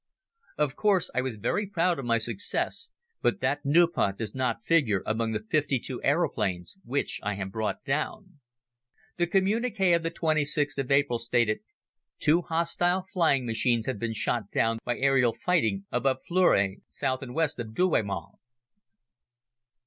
Of course I was very proud of my success, but that Nieuport does not figure among the fifty two aeroplanes which I have brought down. The communiqué of the 26th of April stated: "Two hostile flying machines have been shot down by aerial fighting above Fleury, south and west of Douaumont."